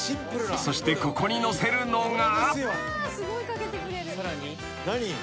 ［そしてここにのせるのが］